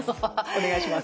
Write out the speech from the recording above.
お願いします。